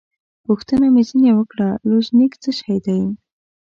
پوښتنه مې ځینې وکړه: لوژینګ څه شی دی؟